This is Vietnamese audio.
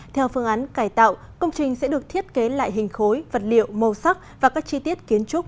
theo phương án cải tạo công trình sẽ được thiết kế lại hình khối vật liệu màu sắc và các chi tiết kiến trúc